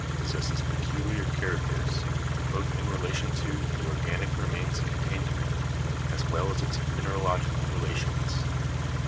possesses peculiar characters, both in relation to the organic re mains contained in it, as well as its mineralogical relations.